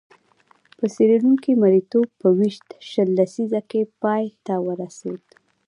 په سیریلیون کې مریتوب په ویشت شل لسیزه کې پای ته ورسېد.